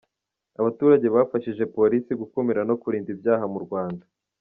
abaturage bafashije Polisi gukumira no kurinda ibyaha mu Rwanda.